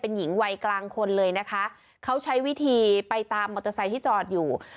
หญิงวัยกลางคนเลยนะคะเขาใช้วิธีไปตามมอเตอร์ไซค์ที่จอดอยู่